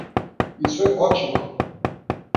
Isso é ótimo!